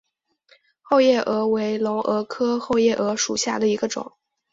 后夜蛾为隆蛾科后夜蛾属下的一个种。